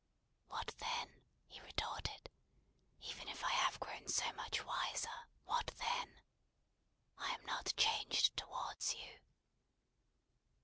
"What then?" he retorted. "Even if I have grown so much wiser, what then? I am not changed towards you."